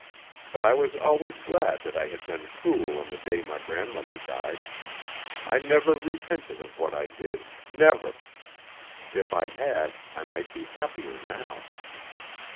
But I was always glad that I had been cruel on the day my grandmother died. I never repented of what I did never. If I had, I might be happier now.